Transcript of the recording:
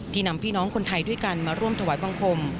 นำพี่น้องคนไทยด้วยกันมาร่วมถวายบังคม